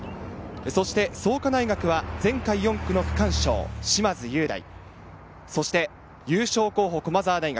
そして創価大学は前回４区の区間賞、嶋津雄大、そして優勝候補・駒澤大学。